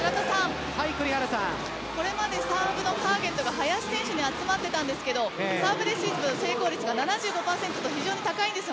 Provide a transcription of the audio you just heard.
これまでサーブのターゲットが林選手に集まっていましたがサーブレシーブ成功率が７０％超えと高いです。